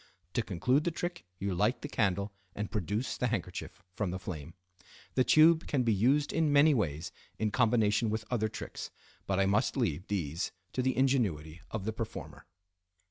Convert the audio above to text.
To conclude the trick you light the candle and produce the handkerchief from the flame. The tube can be used in many ways in combination with other tricks, but I must leave these to the ingenuity of the performer.